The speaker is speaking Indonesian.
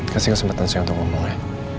kasih kesempatan saya untuk ngomong ya